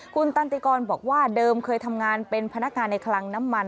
คุณตันติกรบอกว่าเดิมเคยทำงานเป็นพนักงานในคลังน้ำมัน